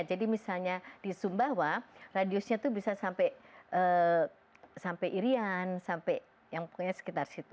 jadi misalnya di sumbawa radiusnya itu bisa sampai irian sampai yang pokoknya sekitar situ